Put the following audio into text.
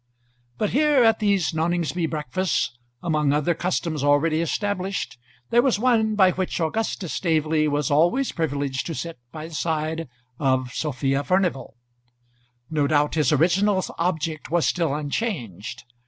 But here, at these Noningsby breakfasts, among other customs already established, there was one by which Augustus Staveley was always privileged to sit by the side of Sophia Furnival. No doubt his original object was still unchanged.